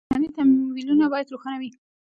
بهرني تمویلونه باید روښانه وي.